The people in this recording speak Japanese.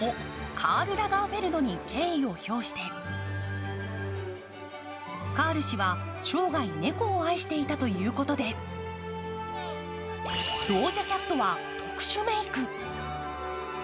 カール・ラガーフェルドに敬意を表してカール氏は生涯猫を愛していたということで、ドージャ・キャットは特殊メイク。